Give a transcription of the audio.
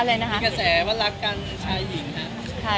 กระแสว่ารักกันชายหญิงค่ะ